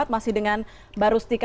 masih dengan baru stika